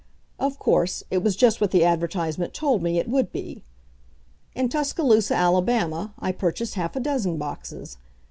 Of course, it was just what the advertisement told me it would be. In Tuscaloosa, Alabama, I purchased half a dozen boxes.